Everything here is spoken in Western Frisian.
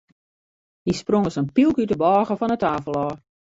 Hy sprong as in pylk út de bôge fan de tafel ôf.